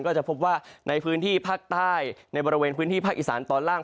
ก็จะพบว่าในพื้นที่ภาคใต้ในบริเวณพื้นที่ภาคอีสานตอนล่าง